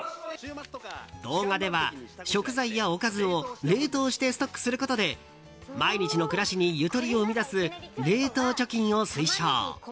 動画では、食材やおかずを冷凍してストックすることで毎日の暮らしにゆとりを生み出す冷凍貯金を推奨。